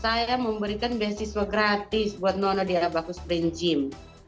saya memberikan beasiswa gratis buat nono di abacus brain gym